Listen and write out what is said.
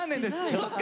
そっか！